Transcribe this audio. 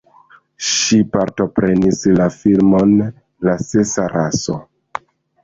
Ŝi partoprenis la filmon La sesa raso.